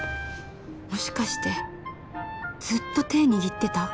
もしかしてずっと手握ってた？